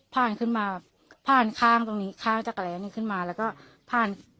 พ้านขึ้นมาพ้านข้างตรงนี้ข้างจักรกะแหลนี่ขึ้นมาแล้วก็พ้าน